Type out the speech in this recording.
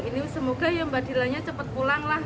ini semoga ya mbak dilanya cepat pulang lah